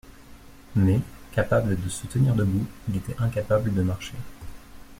Mais, capable de se tenir debout, il était incapable de marcher.